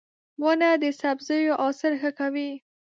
• ونه د سبزیو حاصل ښه کوي.